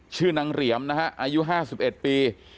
ชื่อนางเหลี่ยมนะฮะอายุ๕๑ปี